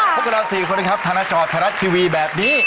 พวกเรา๔คนทานาจอไทยรัฐทีวีแบบนี้